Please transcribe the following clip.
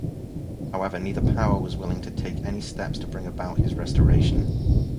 However, neither power was willing to take any steps to bring about his restoration.